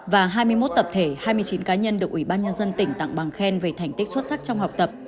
và hai mươi một tập thể hai mươi chín cá nhân được ủy ban nhân dân tỉnh tặng bằng khen về thành tích xuất sắc trong học tập